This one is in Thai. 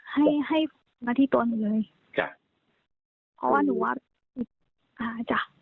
ให้ให้มาที่ตัวหนูเลยจ้ะเพราะว่าหนูว่าอ่าจ้ะ